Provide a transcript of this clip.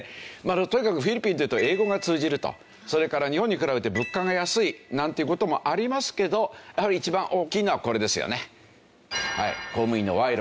とにかくフィリピンというと英語が通じるとそれから日本に比べて物価が安いなんていう事もありますけどやはり一番大きいのはこれですよね。